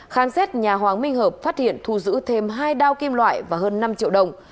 khán xét nhà hoàng minh hợp phát hiện thu giữ thêm hai đao kim loại và hơn năm triệu đồng